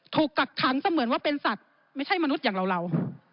กักขังเสมือนว่าเป็นสัตว์ไม่ใช่มนุษย์อย่างเรา